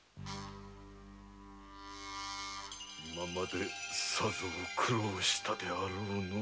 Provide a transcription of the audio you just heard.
今までさぞ苦労したであろうな。